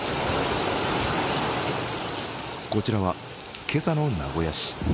こちらは、今朝の名古屋市。